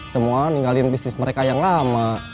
semua ninggalin bisnis mereka yang lama